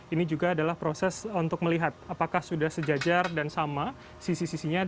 ini juga adalah proses untuk melihat apakah sudah sejajar dan sama sisi sisinya